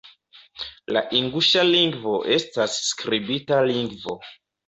La inguŝa lingvo estas skribita lingvo.